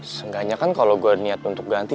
senggaknya kan kalo gue niat untuk ganti